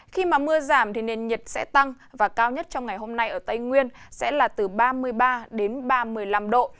khi mà mưa giảm thì nền nhiệt sẽ tăng và cao nhất trong ngày hôm nay ở tây nguyên sẽ là từ ba mươi ba đến ba mươi năm độ